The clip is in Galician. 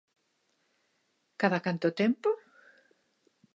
¿Cada canto tempo?